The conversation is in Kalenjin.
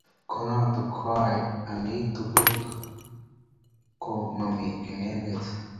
ko not koae ami tuguk ko mami eng emet